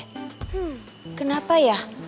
hmm kenapa ya